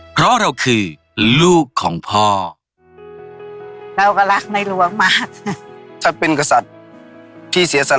เพราะเราคือลูกของพ่อ